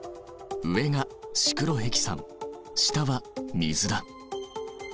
上がシクロヘキサン下は水だ。